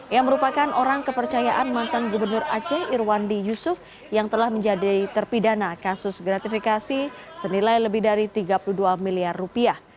yang merupakan orang kepercayaan mantan gubernur aceh irwandi yusuf yang telah menjadi terpidana kasus gratifikasi senilai lebih dari tiga puluh dua miliar rupiah